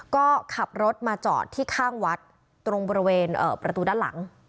ก็ขับรถมาจอดที่ข้างวัดตรงบริเวณประตูด้านหลัง